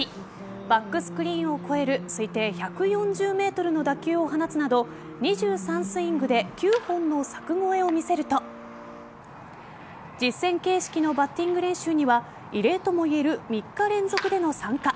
バックスクリーンを越える推定１４０ｍの打球を放つなど２３スイングで９本の柵越えを見せると実戦形式のバッティング練習には異例ともいえる３日連続での参加。